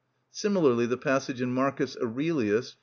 _) Similarly the passage in "Marcus Aurelius" (iv.